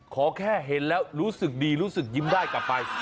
ขอแค่เห็นแล้วรู้สึกดีรู้สึกยิ้มได้กลับไป